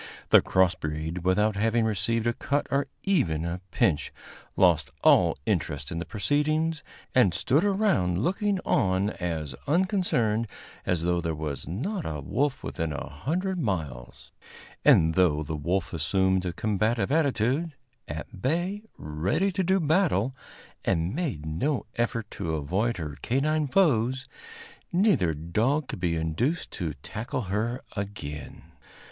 The cross breed, without having received a cut or even a pinch, lost all interest in the proceedings, and stood around looking on as unconcerned as though there was not a wolf within a hundred miles; and, though the wolf assumed a combative attitude, at bay, ready to do battle, and made no effort to avoid her canine foes, neither dog could be induced to tackle her again.